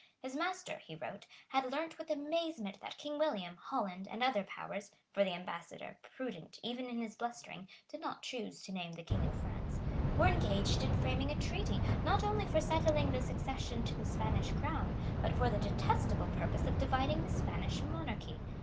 His master, he wrote, had learnt with amazement that King William, Holland and other powers, for the ambassador, prudent even in his blustering, did not choose to name the King of France, were engaged in framing a treaty, not only for settling the succession to the Spanish crown, but for the detestable purpose of dividing the Spanish monarchy.